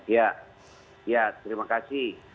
ya ya terima kasih